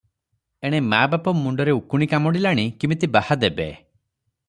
ଏଣେ ମା ବାପ ମୁଣ୍ଡରେ ଉକୁଣି କାମୁଡ଼ିଲାଣି, କିମିତି ବାହା ଦେବେ ।